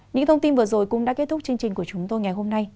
những thông tin vừa rồi cũng đã kết thúc chương trình của chúng tôi ngày hôm nay